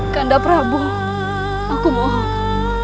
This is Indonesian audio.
kanda prabu aku mohon